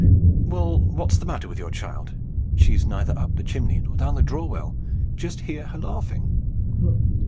"Well, what's the matter with your child? She's neither up the chimney nor down the draw well. Just hear her laughing."